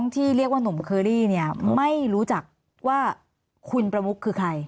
ที่เรียกว่าหนุ่มเคอรี่เนี่ยไม่รู้จักว่าคุณประมุกคือใคร